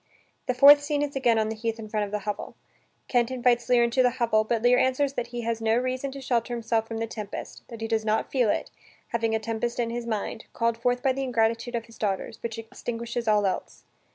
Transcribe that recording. The fourth scene is again on the heath in front of the hovel. Kent invites Lear into the hovel, but Lear answers that he has no reason to shelter himself from the tempest, that he does not feel it, having a tempest in his mind, called forth by the ingratitude of his daughters, which extinguishes all else.